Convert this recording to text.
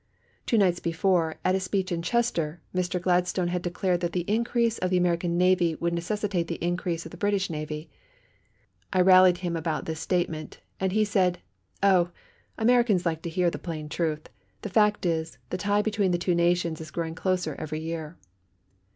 Two nights before, at a speech in Chester, Mr. Gladstone had declared that the increase of the American navy would necessitate the increase of the British navy. I rallied him about this statement, and he said, "Oh! Americans like to hear the plain truth. The fact is, the tie between the two nations is growing closer every year."